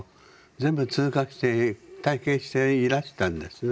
全部通過して体験していらしたんですね。